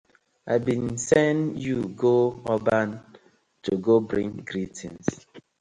I been sen yu go Oban to go bring greetins.